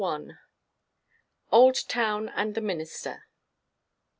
OLDTOWN AND THE MINISTER.